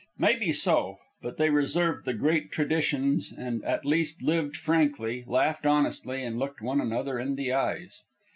Maybe so; but they reserved the great traditions and at least lived frankly, laughed honestly, and looked one another in the eyes.